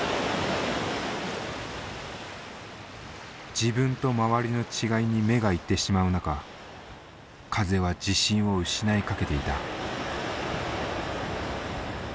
自分と周りの違いに目が行ってしまう中風は自信を失いかけていた。